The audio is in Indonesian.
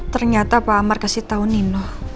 ternyata pak amar kasih tahu nino